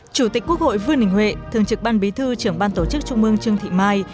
chủ tịch quốc hội vương đình huệ thường trực ban bí thư trưởng ban tổ chức trung mương trương thị mai